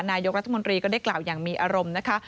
นายกรัฐมนตรีก็ได้กล่าวอย่างมีอารมณ์นะคะ